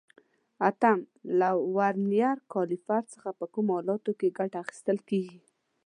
اتم: له ورنیر کالیپر څخه په کومو حالاتو کې ګټه اخیستل کېږي؟